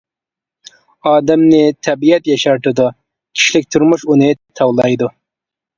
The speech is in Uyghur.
ئادەمنى تەبىئەت ياشارتىدۇ، كىشىلىك تۇرمۇش ئۇنى تاۋلايدۇ.